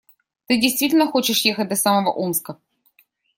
Ты действительно хочешь ехать до самого Омска?